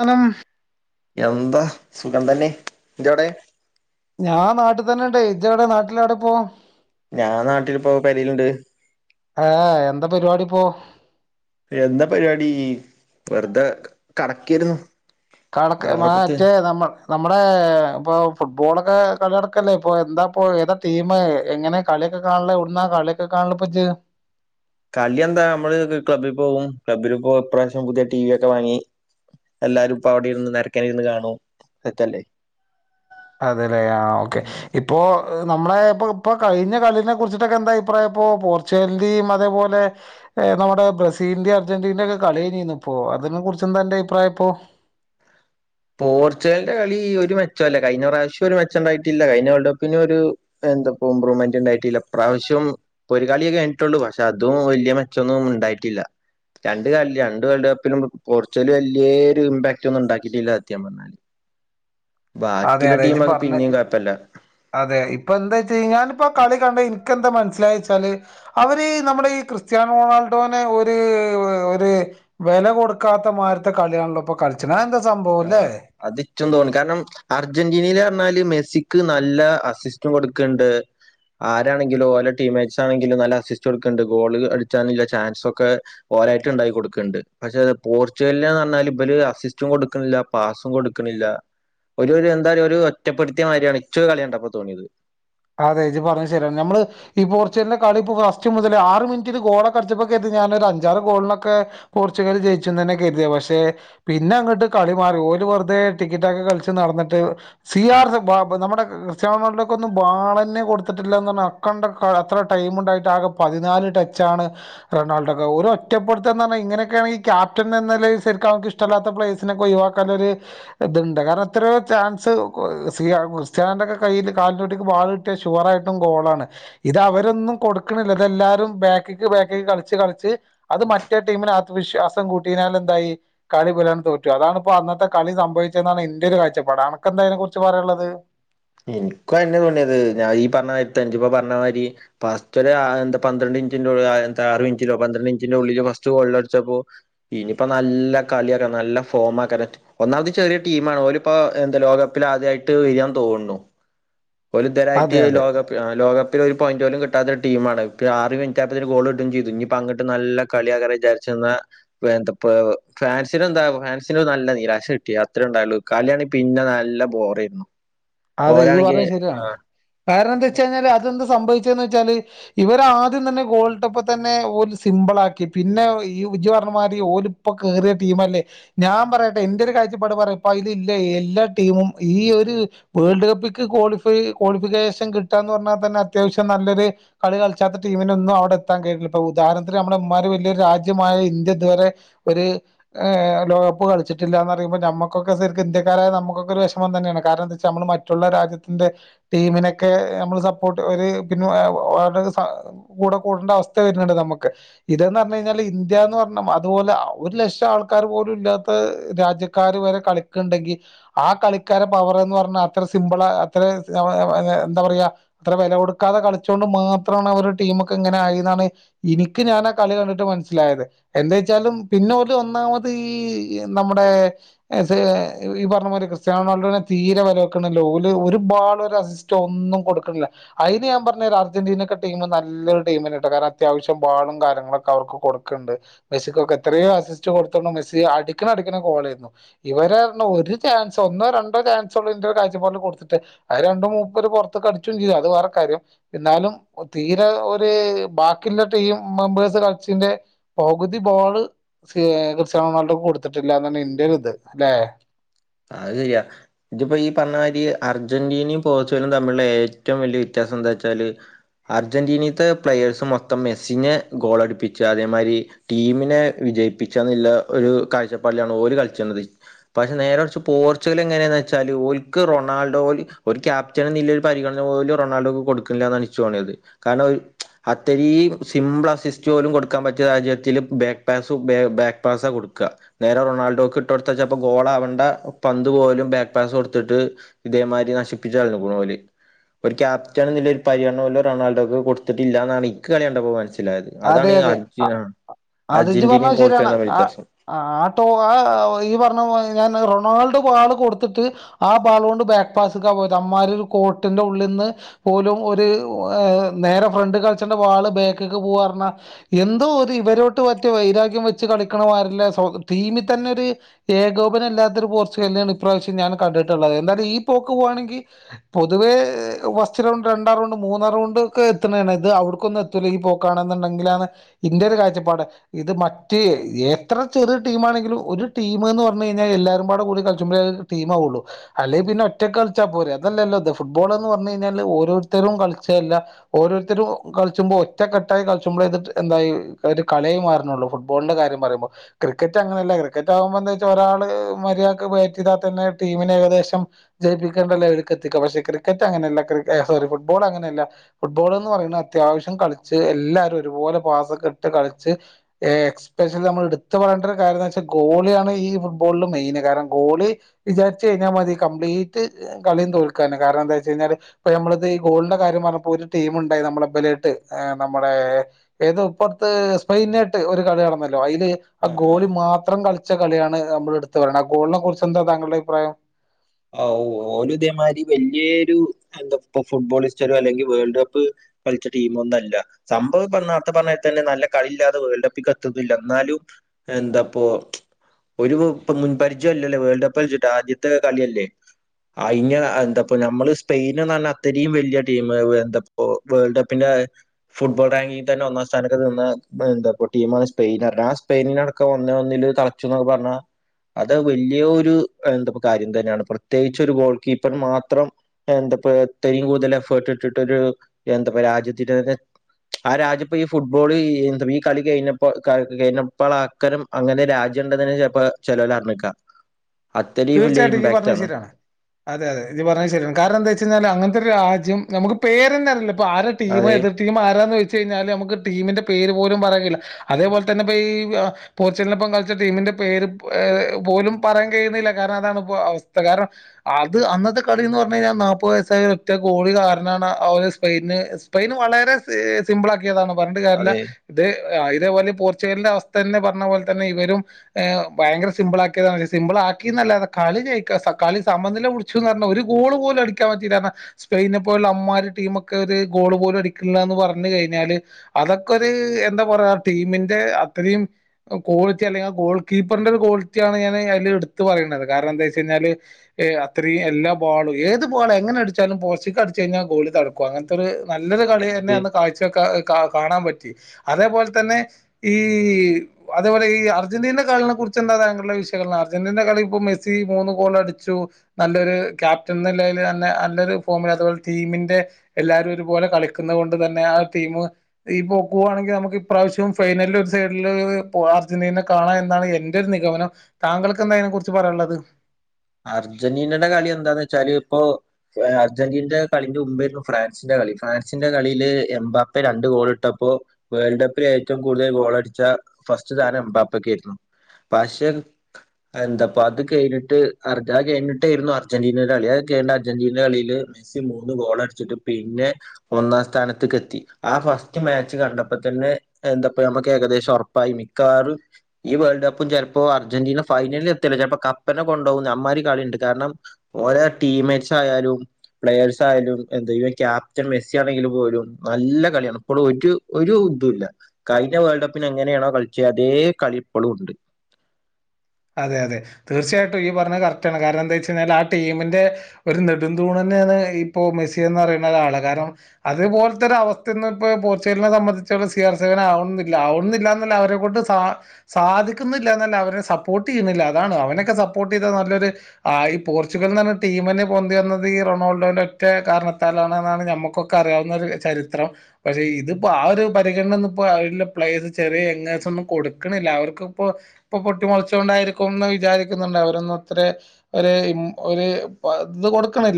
അലം. എന്താ, സുഖം, തന്നെ, ഇജ്ജോടെ? ഞാൻ, നാട്ടിൽ തന്നെ, ണ്ട് ഇജ്ജ്, എവിടെ, നാട്ടില്, എവിടെ പോ? ഞാൻ, നാട്ടിലിപ്പോ, പെരീല് ണ്ട്. ന്താ പരിപാടിപ്പോ എന്താ പരിപാടി വെറുതെ കടക്കൊരുന്നു കണക്ക് മാറ്റേ നമ്മ നമ്മടെ ഇപ്പൊ ഫുട്ബോളൊക്കെ കളി നടക്കല്ലേ ഇപ്പൊ എന്താ ഇപ്പം ഏതാ ടീം എങ്ങനെ കളിയൊക്കെ കാണല് എവ്ട്ന്ന കളിയൊക്കെ കാണല് ഇപ്പജ് കളി എന്താ അമ്മള് ക്ലബ്ബി പോവും ക്ലബ്ബിലിപ്പോ ഇപ്രാവശ്യം പുതിയ ടി വി ഒക്കെ വാങ്ങി എല്ലാരുംപ്പവടിര്ന്ന് നെരക്കാനിര്ന്ന് കാണും സെറ്റല്ലേ അതെല്ലേ ആ ഓക്കെ ഇപ്പോ നമ്മള ഇപ്പൊ ഇപ്പൊ കഴിഞ്ഞ കളിയിനെ കുറിച്ചിട്ടൊക്കെ എന്താ അഭിപ്രായം ഇപ്പോ പോർച്ചുഗാലിന്റെയും അതേപോലെ നമ്മുടെ ബ്രസീലിന്റെയും അർജന്റീനന്റെ ഒക്കെ കളി ഏഞ്ഞിന്നിപ്പോ അതിനെ കുറച്ച് എന്താ എന്റെ അയിപ്രായം ഇപ്പോ പോർച്ചുഗലിന്റെ കളി ഒര് മെച്ചെല്ല കഴിഞ്ഞ പ്രാവശ്യം ഒര് മെച്ചെണ്ടായിട്ടില്ല കഴിഞ്ഞ വേൾഡ് കപ്പിനു ഒരു എന്തപ്പ ഇമ്പ്രൂവ്മെന്റ് ണ്ടായിട്ടില്ല ഇപ്രാവശ്യം ഒരു കളിയെ കഴിട്ടുള്ളു പക്ഷെ അതും വല്ല്യയ മെച്ചൊന്നും ഉണ്ടായിട്ടില്ല രണ്ട് കല്ലി രണ്ട് വേൾഡ് കപ്പിലും പോർച്ചുഗിൽ വല്ല്യയെ ഒര് ഇമ്പാക്ട് ഒന്നും ണ്ടാക്കിട്ടില്ല ത്യം പറഞ്ഞാല് അതെ ബാക്കിയുള്ള അതെ ഇജ് ടീമൊക്കെ പറഞ്ഞത് പിന്നെയും കുഴപ്പല്ല അതെ ഇപ്പൊന്താച്ച് കഴിഞ്ഞാൽ ഞാനിപ്പ കളി കണ്ടനി ഇക്കന്ത മനസ്സിലായച്ചാല് അവര് നമ്മടെ ഈ ക്രിസ്ത്യാനോ റൊണാൾഡോനെ ഒര് ഒര് വെല കൊടുക്കാത്ത മാരിത്ത കളിയാണല്ലോ ഇപ്പ കളിച്ചണ് അന്തപ്പ ആ അതിച്ചും തോന്നി കാരണം അർജന്റീനീൽ അറഞ്ഞാല് മെസ്സിക്ക് നല്ല അസിസ്റ്ററും കൊടുക്ക്ണ്ട് ആരാണെങ്കിലും ഓലോ ടീമേറ്റ്സ് ആണെങ്കിലും നല്ല അസിസ്റ്റംടുക്കുന്നുണ്ട് ഗോള് അടിച്ചാന്ള്ള ചാൻസെക്കെ ഓരായിട്ട് ണ്ടായി കൊടുക്ക്ണ്ട് പക്ഷേ അത് പോർച്ചുഗല്ന്ന് പറഞ്ഞാൽ ഇവല് അസിസ്റ്ററും കൊടു ക്ക്ണ്ല്ല പാസും കൊടുക്ക്ണില്ല ഒര് ഒര് എന്താ ഒരു ഒറ്റപ്പെടുത്തിയ മാതിരിയാണ് ഇച്ച്ക്കെ കളിണ്ടപ്പൊ തോണിത് അതെ ഇജ് പറഞ്ഞത് ശരിയാണ് ഞമ്മള് ഈ പോർച്ചുഗലിന്റെ കളി ഇപ്പ ഫസ്റ്റ് മുതൽ ആറ് മിനിറ്റിൽ ഗോളൊക്കടിച്ചപ്പേക്കെര്തി ഞാനൊ ഒര് അഞ്ചാറ് ഗോളിനൊക്കെ പോർച്ചുഗിൽ ജയിച്ചുന്നെനെ കെര്തി പക്ഷെ പിന്നെ അങ്ങട്ട് കളി മാറി ഓല് വെറുതെ ടിക്കറ്റൊക്കെ കളിച്ച് നടന്ന്ട്ട് സി ആർ നമ്മുടെ ക്രിസ്ത്യാൻ റൊണാൾഡോ ക്കൊന്നു ബാളെന്നെ കൊടുത്തിട്ടില്ലന്നറഞ്ഞ അക്കണ്ട അത്ര ടൈം ഉണ്ടായിട്ട് ആകെ പതിനാല് ടച്ചാണ് റൊണാൾഡൊക്കെ ഒരെ ഒറ്റപ്പെടുത്തന്നറഞ്ഞാ ഇങ്ങനെക്കണ് ഈ ക്യാപ്റ്റൻനന്നി ലയിൽ ശരിക്ക് അവക്ക് ഇഷ്ടല്ലാത്ത പ്ലേഴ്സിനെക്കെ ഒഴിവാക്കാനെ ഒര് ഇത്ണ്ട് കാരണം ഒറ്റെരു ചാൻസ് സീ ക്രിസ്യാനന്റെക്കെ കയ്യിൽ കൽന്റെ ബാൾ കിട്ടിയ ഷുവർ ആയിട്ടും ഗോളാണ് ഇത് അവരൊന്നും കൊടുക്ക്ണില്ല ഇതെല്ലാവാരും ബേക്കിക്ക് ബേക്കക്ക് കളിച്ച് കളിച്ച് അത് മറ്റേ ടീമിന് ആത്മവിശ്വാസം കൂട്ടിനാൽ എന്തായി കളി ബലാൺ തോറ്റു അതാണ്പ്പോ അന്നത്തെ കളി സംഭവിച്ചെന്നാണ് ഇന്റെ ഒരു കാഴ്ചപ്പാട് ആനക്കെന്താ അയിനെ കുറിച്ച് പറയാനുള്ളത് എനിക്കും അയെന്നെ തോണിയത് ഞാൻ ഈ പറഞ്ഞയിര്ത്ത ഇജ് പറഞ്ഞ മാതിരി ഫസ്റ്റ് ഒര് എന്താ പന്ത്രണ്ട് ഇഞ്ചിന്റെ ആറ മിനിറ്റിലേ പന്ത്രണ്ട് മിനിറ്റിന്റെ ഉള്ളില് ഫസ്റ്റ് ഗോളിൽ അടിച്ചപ്പോ ഇനിയിപ്പോ നല്ല കളിയ ആക്കാ നല്ല ഫോം ആക്കാനറ്റ് ഒന്നാമത് ചെറിയ ടീം മാണ് ഓല്പ്പോ എന്താ ലോകകപ്പിൽ ആദ്യമായിട്ട് വെരിയ തോണു [unintelligible] ഒല് ഇതരായിട്ട് അതെ അതെ ലോകകപ്പ് ആ ലോക ഒരു, പോയിന്റ്, പോലും, കിട്ടാത്ത, ഒരു, ടീമാണ്, ആറ്, മിനിറ്റ്, ആയപ്പോത്തിന്, ഗോൾ, ഇടും, ചെയ്തു, ഇനിപ്പ, അങ്ങണ്ട്, നല്ല, കളിയികാരം, വിചാരിച്ചെന്ന, എന്തപ്പൊ, ഫാൻസിന്, എന്താ, ഫാൻസി, നല്ല നിരാശ കിട്ടി, അത്രേ ണ്ടായൊള്ളു, കളിയാണെങ്ക, പിന്നെ, നല്ല, ബോറേയിരുന്നു. അതെ, ഈ, പറഞ്ഞത്, ശെരിയാണ്. കാരണം ന്ത വെച്ച് കഴിഞ്ഞാല് അതെന്ത് സംഭവിച്ചന്ന്, വെച്ചാല്, ഇവരാദ്യം, തന്നെ, ഗോൾഡ്, കപ്പ്, തന്നെ, ഓര്, സിംമ്പിൾ, ആക്കി, പിന്നെ, ഈ, ഇജ്ജ്, പർഞ്ഞമാരി, ഓല്, ഇപ്പ, കേറിയ, ടീം, ല്ലേ, ഞാൻ, പറയട്ടെ, എന്റെ, ഒരു കാഴ്ചപ്പാട്, പറയാ, ഇപ്പൊ, ഇതി ഇല്ലേ, എല്ലാ, ടീമും ഈ ഒരു വേൾഡ്, കപ്പ്ക്ക്, ക്ളിഫൈ, ക്ളിഫിക്കേഷൻ, കിട്ടാ, ന്ന് പറഞ്ഞാ, തന്നെ, അത്യാവശ്യം, നല്ലൊരു, കളി കളിച്ചാത്ത, ടീമിനൊന്നും, അവിടെ, എത്താൻ, കഴിയില്ല, പ്പൊ, ഉദാഹരണത്തിന്, നമ്മുടെ, ഉമ്മാര്, വല്യരു, രാജ്യമായ, ഇന്ത്യ, ഇത് വരെ, ഒരു ഹ്, ൾഡ്കപ്പ്, കളിച്ചിട്ടില്ലന്ന്, പറയുമ്പോ, നമുക്കൊക്കെ, സെരിക്കും, ഇന്ത്യക്കാരായ, നമുക്കൊക്കെ, വെഷമം തന്നെയാണ്, കാരണം, എന്താ നമ്മൾ, മറ്റുള്ള, രാജ്യത്തിന്റെ, ടീമിനൊക്കെ, നമ്മൾ, സപ്പോർട്ട്, പിന്നെ, കൂടെ, കൂടേണ്ട, അവസ്ഥ, വരുന്നുണ്ട്, നമുക്ക്, ഇതന്ന്, പറഞ്ഞ, കഴിഞ്ഞാൽ, ഇന്ത്യന്ന്, പറഞ്ഞ, അതുപോലെ, ഒരു, ലക്ഷം ആൾക്കാർ, പോലും, ഇല്ലാത്ത, രാജ്യക്കാര്, വരെ, കളിക്കണ്ടെങ്കിൽ, ആ കളിക്കാര, പവർന്ന് പറ അത്ര, സിമ്പിൾ, അത്ര, അവ വേ വെ എന്താ, പറയാ, അത്ര, വെല, കൊടുക്കാതെ, കളിച്ചോണ്ട്, മാത്രമാണ്, അവരുടെ, ടീമൊക്കെ, ഇങ്ങനെ, ആയി, ന്നാണ്, എനിക്ക്, ഞാനാ, കളി, കണ്ടിട്ട്, മനസ്സിലായത്, എന്താ, വച്ചാലും, പിന്നെ, ഓല്, ഒന്നാമത്, ഈ, എ, നമ്മുടെ, എ, സീല്, എ, ഈ, പറഞ്ഞ, പോലെ, ക്രിസ്ത്യനോ, റൊണാൾഡോെ, തീരെ കേക്‌ണില്ല, ഓല് ഒരു, ബാളോ, ഒരു, അസിസ്റ്റോ, ഒന്നും, കൊടുക്ക്ണില്ല, അതിന്, ഞാൻ, പറഞ്ഞേരാ, അർജന്റീനക്കെ, ടീം, നല്ലൊരു, ടീമെന്ന, ട്ടോ കാരണം, അത്യാവശ്യം, ബാളും, കാര്യങ്ങളോക്കെ, അവർക്ക്, കൊടുക്കണ്ട്, മെസ്സിക്കൊക്കെ, എത്രയോ, രു അസിസ്റ്റ്, കൊടുക്കണം, മെസ്സി, അടിക്കണ, അടിക്കണ, ഗോൾ ഏയിരുന്നു, ഇവര്, അർഞ്ഞു, ഒരു ചാൻസ് ഒന്നോ രണ്ടോ ചാൻ ചോ ള്ളരു ൻ്റെരു കാഴ്ചപ്പാടില് കൊടുത്തിട്ട് അയില് രണ്ടും മൂപ്പര് പുറത്ത്ക്കടിച്ചും ചെയ്തു അത് വേറെ കാര്യം എന്നാലും തീരെ ഒരു ബാക്കിള്ള ടീം മെമ്പേഴ്സ്, കളിച്ചിന്റെ, പകുതി, ബോള്, കൃഷൻ, റൊണാൾഡോ, കൊടുത്തിട്ടില്ല, ന്നാണ്, എൻ്റെ, ഒരു, ഇത്, അല്ലെ? അത്, ശരിയാ, ഇതിപ്പോ, ഈ, പറഞ്ഞ, മാതിരി, അർജന്റീനയും, പോർച്ചുഗലും, തമ്മിലുള്ള, ഏറ്റവും, വലിയ, വ്യത്യാസം, എന്താ, വച്ചാല്, അർജന്റീനീത്തെ, പ്ലേയേഴ്സ്, മൊത്തം, മെസ്സിനെ, ഗോളടിപ്പിച്ച, അതേമാരി, ടീമിനെ, വിജയിപ്പിച്ച, ന്നുള്ള, ഒരു കാഴ്ചപ്പാടിലാണ്, ഓര് കളിച്ചണത്, പക്ഷെ, നേരെ മറി പോർച്ചുഗൽ എങ്ങനെയാന്ന് വെച്ചാല് ഓൽക്ക് റൊണാഡോയിൽ ഒരു ക്യാപ്റ്റനെന്ന നിലയിൽ ഒരു പരിഗണന പോലും റൊണാൾഡോക്ക് കൊടുക്കണില്ലന്നാണ് [unintelligible] കാരണം അത്തരീം സിമ്പിൾ അസിസ്റ്റ് പോലും കൊടുക്കാൻ പറ്റിയ രാജ്യത്തില് ബാക്ക് പാസ്സു ബാക്ക് പാസാ കൊടുക്കാ നേരെ റൊണാൾഡോക്കിട്ട് കൊടുത്താച്ചാ ചെലപ്പോ ഗോളാവണ്ടാ പന്ത് പോലും ബാക്ക് പാസ്സ് കൊടുത്തിട്ട് ഇതേമാതിരി നശിപ്പിച്ചു കളഞ്ഞു ഓൽ. ഒരു ക്യാപ്റ്റൻ ന്ന നിലയിൽ ഒരു പരിഗണനപോലും റൊണാൾഡോക്ക്‌ കൊടുത്തിട്ടില്ലാന്നാണ് ഇക്ക് കളികണ്ടപ്പോ മനസ്സിൽ അതെ അതെ അ അ അത് ഇജ്ജ് അർജന്റീനയും പറഞ്ഞത് പോർച്ചുഗലും ശരിയാണ് തമ്മിലുള്ള ആ വ്യത്യാസം ആ ആ ട്ടോ ആ ആ ഈ പറഞ്ഞപോലെ ഞാൻ അത് റൊണാ ണാൾഡ് ബാള് കൊടുത്തിട്ട് ആ ബാള് കൊണ്ട് ബാക്ക് പാസ്സ് [unintelligible] അമ്മാര് ഒരു കോട്ടിന്റെ ഉള്ളിൽന്ന് പോലും ഒരു ഒ എ നേരെ ഫ്രണ്ടി കളിച്ചവന്റെ ബാള് ബാക്ക് [unintelligible] എന്തോ ഒരു ഇവരോട്ട് മറ്റ് വൈരാഗ്യം വെച്ച് കളിക്കണമാരില്ലെ സൊ ടീമിൽ തന്നെ ഒരു ഏകോപനവില്ലാത്തൊരു പോർച്ചുഗൽനെയാണ് ഇപ്രാവശ്യം ഞാൻ കണ്ടിട്ടുള്ളത് എന്തായാലും ഈ പോക്ക് പോവാണെങ്കിൽ പൊതുവേ ഫസ്റ്റ്റൗണ്ട് രണ്ടാം റൗണ്ട് മൂന്നാം റൗണ്ട് ഒക്കെ എത്തണെണ് ഇത് അവിടക്കൊന്നും എത്തൂല്ല ഈ പോക്ക് [unintelligible] ണെന്നുണ്ടെങ്കിലാണ് ഇന്റ ഒരു കാഴ്ചപ്പാട് ഇത് മറ്റേ ഏത്ര ചെറിയ ടീം ആണെങ്കിലും ഒരു ടീം എന്ന് പറഞ്ഞ് കഴിഞ്ഞാൽ എല്ലാരുംപാടെ കൂടി കളിചുമ്പഴേ അതൊരു ടീം ആവുള്ളു അല്ലേൽ പിന്നെ ഒറ്റക്ക് കളിച്ചാൽ പോരെ അതല്ലല്ലോ അത് ഫുട്ബോള് എന്ന് പറഞ്ഞ് കഴിഞ്ഞാല് ഓരോരുത്തരും കളിച്ചാല്ല ഓരോരുത്തരും ഒ കളിച്ചുമ്പോ ഒ ഒറ്റ കെട്ടായി കളിചുമ്പ്ലെ ഇത് റ്റ് എന്തായി ഒരു [unintelligible] മാറുന്നുള്ളു ഫുട്ബോളിന്റെ കാര്യം പറയുമ്പോ ക്രിക്കറ്റ് അങ്ങനയല്ല ക്രിക്കറ്റ് ആകുമ്പോ എന്താ വെച്ചാ ഒരാള് മര്യാക്ക് ബാറ്റ് ചെയ്താൽ തന്നെ ടീമിനെ ഏകദേശം ജയിപ്പിക്കേണ്ട ലെവലിക്കു എത്തിക്കാം പക്ഷെ ക്രിക്കറ്റ് അങ്ങനല്ല ക്രിക് എ സോറി ഫുട്ബോള് അങ്ങനെയല്ല ഫുട്ബോള് എന്ന് പറയുന്നത് അത്യാവശ്യം കളി ക്ഷേ എല്ലാരും ഒരുപോല പാസൊക്കെ ഇട്ട് കളിച്ച് ഏ എസ്പെഷ്യല് നമ്മള് എടുത്തു പറയണ്ട ഒരു കാര്യം ന്നാവെച്ചാ ഗോളിയാണ് ഈ [unintelligible] ഫുട്ബോളില് മെയിന് കാരണം ഗോളി വിചാരിച്ച് കഴിഞ്ഞാ മതി കംപ്ലീറ്റ് കളിയും തോൽക്കാന് കാരണം ന്താന്ന്‌ വെച്ച് കഴിഞ്ഞാല് ഇപ്പ നമ്മളിത് ഈ ഗോളിന്റെ കാര്യം പറഞ്ഞപ്പോ ഒരു ടീമുണ്ടായി നമ്മളെ [unintelligible] ഏ നമ്മടെ ഏതോപ്പറത്ത് സ്പെയിനാട്ട് ഒരു കളി നടന്നാ ലോ അയില് ആ ആഹ് ഗോളി ആഹ് മാത്രം കളി ച്ച കളിയാണ് നമ്മള് എടുത്ത് പറയുണത് ആ ഗോളിനെ കുറിച്ചെന്താ താങ്കുടെ അഭിപ്രായം ആവൂ, ഓല്, ഇതേമാരി, വല്യൊരു, എന്താ, പ്പ ഫുട്ബോൾിസ്റ്റരോ, അല്ലെങ്കിൽ, വേൾഡ്, കപ്പ്, കളിച്ച, ടീമോന്നല്ല, സംഭവം, പ്പ നേരത്തെ, പറഞ്ഞമാരി, തന്നെ, നല്ല, കളില്ലാതെ, വേൾഡ്, കപ്പ്ക്ക്ത്തുന്നില്ല, എന്നാലും, എന്താപ്പോ, ഒരു, പ്പ മുൻപരിചയം, ഇല്ലല്ലേ, വേൾഡ്, കപ്പ് കളിച്ചിട്ട്, ആദ്യത്തെ, കളിയല്ലേ? അയി, എന്താപ്പോ, നമ്മള് സ്പെയിന, പറഞ്ഞ അത്രയും, വലിയ ടീം. എന്ത, വേൾഡ്, കപ്പിന്റെ, ഫുട്ബോൾ, റാങ്കിൽ, തന്നെ, ഒന്നാം, സ്ഥാനൊക്കെ, നിന്ന, എന്താ, ടീണ്, സ്പെയിൻ, പറ ആ, സ്പെയിനടക്കം, ഒന്ന, ഒന്നില്, തളച്ചു, എന്നൊക്കെ, പറഞ്ഞാൽ, അത്, വലിയ, ഒരു, എന്ത, കാര്യം, തന്നെയാണ്. പ്രത്യേകിച്ച്, ഒരു ഗോൾ, കീപ്പർ, മാത്രം, എന്തപ്പ, ഇത്രയും, കൂടുതൽ, എഫേർട്ട്, ഇട്ടിട്ടൊരു, എന്താപ്പ, രാജ്യത്തി, തെ, ആ രാജ്യപ്പ ഈ, ഫുട്ബോള്, എന്ത ഈ കളി, കഴിഞ്ഞപ്പ, കഴിഞ്ഞപ്പാല്ലാക്കാരം, അങ്ങനെ, രാജ്യം ഉണ്ടെനെന്നെ, ചെൽപ്പോ, ചെലോല്, അർജ്ഞക്ക. അത്രയും, വലിയ, തീർച്ചയായിട്ടും ഈ പറഞ്ഞത് ഇമ്പാക്റ്റാണ്. ശരിയാണ് അതെ, അതെ, ഇത്, പറഞ്ഞത്, ശരിയാണ്, കാരണം, എന്താ, വെച്ച കഴിഞ്ഞാല്, അങ്ങനത്തോരു, രാജ്യം, നമുക്ക്, പേരന്ന, അല്ല പ്പോ, ആരാ, ടീം, അതെ എതിർ, ടീം, ആരാണന്ന്, വെച്ച്, കഴിഞ്ഞാല്, നമുക്ക് ടീമിന്റെ, പേര്, പോലും, പറയുല്ല, അതേപോലെ,, തന്നെ, ഇ, ഈ, പോർച്ചുഗലിന, ഇപ്പം, കളിച്ച, ടീമിന്റെ, പേര്, പോലും, പറയാൻ, കഴിയുന്നില്ല. കാരണം, അതാണ്, ഇപ്പോ, അവസ്ഥ, കാരണം, അത്, അന്നത്തെ, കളി, എന്ന്, പറഞ്ഞ, കഴിഞ്ഞാൽ, നാപ്പത്, വയസായ, ഒറ്റ, ഗോളി, കാരണാണ്, ആ വ്വ് സ്പെയിന്, സ്പെയിന്, വളരെ, സീ, സിമ്പിൾ, ആ താണ് പറഞ്ഞിട്ട് കാര്യല്ല അതെ ഇത് ഇതേപോല, പോർച്ചുഗലിന്റെ, അവസ്ഥന്ന, പറഞ്ഞ, പോലെ, തന്നെ, ഇവരും, ഏ ഭയങ്കര, സിമ്പിൾ, ആക്കിയതാണ്, സിമ്പിൾ ആ ക്കിന്നല്ലാതെ, കളി, ജയിക്കാ, കളി, സമനില, പിടിച്ചുന്ന്, പറഞ്ഞ, ഒരു, ഗോൾ, പോലും, അടിക്കാൻ, പറ്റില്ല, ന്ന്, പറഞ്ഞ, സ്പെയിനെ പോലുള്ള അമ്മാരി, ടീമൊക്കെ, ഒരു ഗോള്, പോലും അടിക്കില്ലന്ന്, പറഞ്ഞ, കഴിഞ്ഞാല്, അതൊക്കെ, ഒരു എന്താ, പറയാ, ടീമിന്റെ, അത്രയും, ക്ലാലിറ്റി അല്ലെങ്ക ആ ഗോൾ, കീപ്പറിന്റെ, ഒരു, ക്വാളിറ്റിണ് ഞാന് അതി ത് പറയണുന്നത്, കാരണം, എന്താ, വെച്ച്, കഴിഞ്ഞാല്, എ, അത്രയും, എല്ലാ, ബോളും, ഏത്, ബോൾ, എങ്ങന, അടിച്ചാലും, പോസ്റ്റിക്ക്, അടച്ച്, കഴിഞ്ഞാ, ഗോളി, തടക്കും, അങ്ങനത്തെരു നല്ലൊരു, അതെ കളി, എന്നെ, നമുക്ക് അന്ന്, കാഴ്ച, വെക്ക കാണാൻ പറ്റി അതേപോലെ തന്നെ ഈ അതേപോലെ ഈ അർജന്റീനൻ്റെ കളിനെ കുറിച്ച് എന്താ താങ്കളുടെ വിശകലനം അർജന്റീന, കളി, ഇപ്പോ മെസ്സി, മൂന്ന്, ഗോൾ, അടിച്ചു. നല്ലൊരു, ക്യാപ്റ്റൻ, എന്നല്ലെൽ, നല്ല നല്ലൊരു, ഫോമിൽ, അതുപോലെ, ടീമിന്റെ, എല്ലാവരും, ഒരുപോലെ, കളിക്കുന്നത്, കൊണ്ട്, ത, ന്നെ ആ ടീം ഈ, പോക്ക്, പോകുവാണെങ്കിൽ, നമുക്ക്, ഇപ്രാവശ്യം, ഫൈനലിൽ, ഒരു, സൈഡില്, പോ അർജന്റീനെ, കാണാം, എന്നാണ്, എന്റെ, ഒരു നിഗമനം, താങ്കൾ എന്താ, അതിനെ, കുറിച്ച്, പറയാനുള്ളത്? അർജന്റീനയുടെ, കളി, എന്താന്ന്, വെച്ചാല്, ഇപ്പോ, അർജന്റീനൻ്റെ, കളിന്റെ, മുമ്പായിരുന്നു, ഫ്രാൻസിന്റെ, കളി ഫ്രാൻസിന്റെ, കളിയില്, എംബാപ്പ, രണ്ട്, ഗോള, ഇട്ടപ്പോ, വേൾഡ്, കപ്പിൽ, ഏറ്റവും, കൂടുതൽ, ഗോളടിച്ച, ഫസ്റ്റ്, താരം, എംബാപ്പക്ക്, ആയിരുന്നു. പക്ഷെ, എന്താപ്പ, അത്, കേഞ്ഞിട്ട് അർജ കഴിഞ്ഞിട്ടായിരുന്നു അർജന്റീനയുടെ കളി കേണ്ട അർജന്റീനയുടെ കളിയില് മെസ്സി മൂന്ന് ഗോളടിച്ചിട്ട് പിന്നെ ഒന്നാം സ്ഥാനത്തേക്ക് എത്തി ആ ഫസ്റ്റ് മാച്ച് കണ്ടപ്പോ തന്നെ എന്താപ്പ നമുക്ക് ഏകദേശം ഉറപ്പായി മിക്കവാറും ഈ വേൾഡ് കപ്പും ചിലപ്പോ അർജന്റീന ഫൈനലിൽ എത്തില്ല ചിലപ്പോ കപ്പനെ കൊണ്ട് അന്മാരി, കളിണ്ട്, കാരണം, ഓരോ, ടീംമേറ്റ്സ്, ആയാലും, പ്ലേഴ്സ്, ആയാലും, എന്ത, ഇവ, ക്യാപ്റ്റൻ മെസ്സി, ആണെങ്കിലും, പോലും, നല്ല, കളിയാണ്. ഇപ്പോൾ, ഒരു, ഒരു ഇതുല്ല, കഴിഞ്ഞ, വേൾഡ്, കപ്പിന്, എങ്ങനെയാണോ, കളിച്ച അതേ, കളി, ഇപ്പോളും, ണ്ട്. അതെ, അതെ, തീർച്ചയായിട്ടും, ഈ പറഞ്ഞത് കറക്റ്റാണ്. കാരണം, എന്താ, വെച്ച, കഴിഞ്ഞാൽ, ആ ടീമിന്റെ, ഒരു, നെടുന്തൂണന്നാണ്, ഇപ്പോ, മെസ്സിയന്ന്, പറയുന്ന, ഒരാള്, കാരണം, അതുപോലത്തെ, ഒരു, അവസ്ഥന്നും, ഇപ്പോ, പോർച്ചുഗലിനെ, സംബന്ധിച്ചിട്, സി ആർ സേവൻ, ആവണന്നില്ല, ആവണുന്നില്ല, എന്ന, അവരെ, കൊണ്ട്, സ സാധിക്കുന്നില്ല, എന്നല്ല അവരെ സപ്പോർട്ട്, ചെയ്യുന്നില്ല, അതാണ്, അവനെയൊക്കെ, സപ്പോർട്ട്, ചെയ്ത, നല്ലൊരു, ആ ഈ, പോർച്ചുഗൽന്ന്, പറഞ്ഞ, ടീം തന്നെ, പൊന്തി, വന്നത് ഈ, റൊണാൾഡോന്റെ, ഒറ്റ, കാരണത്താലാണ്, ന്നാണ്, ഞമ്മുക്കൊക്കെ, അറിയാവുന്ന, ഒരു, ചരിത്രം, പക്ഷെ, ഇതിപ്പോ, ആ, ഒരു പരിഗണനന്ന, ഇപ്പോ, അതി, പ്ലേഴസ് ചെറിയ, എങ്ങേഴ്സ് ഒന്നും, കൊടുക്കണില്ല, അവർക്കിപ്പോ, ഇപ്പൊ, പൊട്ടിമളച്ച് ണ്ടായിരിക്കുംന്ന്, വിചാരിക്കുന്നുണ്ട്, അവരൊന്നുംത്ര, ഒരു ഇത്, കൊടുക്കണില്ല